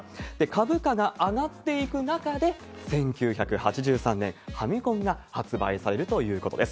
株価が上がっていく中で、１９８３年、ファミコンが発売されるということです。